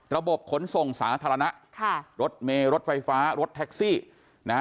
ระบบขนส่งสาธารณะค่ะรถเมรถไฟฟ้ารถแท็กซี่นะฮะ